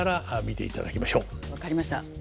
分かりました。